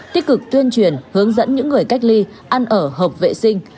tích cực tuyên truyền hướng dẫn những người cách ly ăn ở hợp vệ sinh